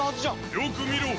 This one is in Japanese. よく見ろ。